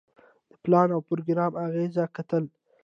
د پلان او پروګرام اغیزې کتل.